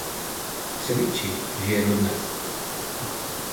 V Třebíči žije dodnes.